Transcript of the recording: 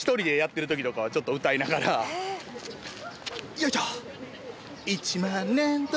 よいしょ！